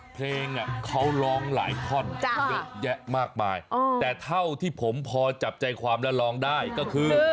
เพลงเขาร้องหลายท่อนเยอะแยะมากมายแต่เท่าที่ผมพอจับใจความและร้องได้ก็คือ